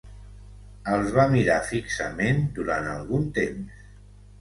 Els va mirar fixament durant algun temps.